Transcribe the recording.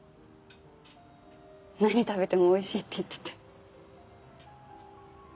何食べてもおいしいって言ってて。